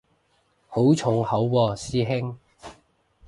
好重口喎師兄